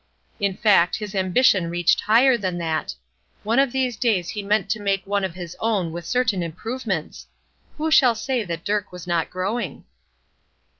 In fact, his ambition reached higher than that: one of these days he meant to make one of his own with certain improvements! Who shall say that Dirk was not growing?